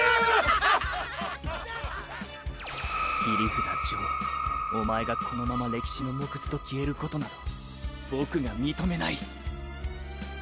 切札ジョーお前がこのまま歴史のもくずと消えることなど僕が認めない。